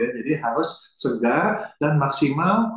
jadi harus segar dan maksimal